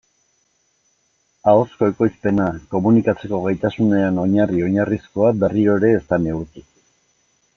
Ahozko ekoizpena, komunikatzeko gaitasunean oinarri-oinarrizkoa, berriro ere ez da neurtu.